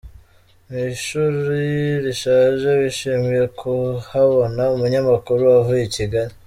Mu ishuri rishaje bishimiye kuhabona umunyamakuru wavuye i Kigali.